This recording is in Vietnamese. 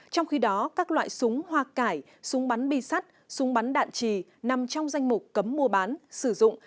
trong khi đó các loại súng hoa cải súng bắn bi sắt súng bắn đạn trì nằm trong danh mục cấm mua bán sử dụng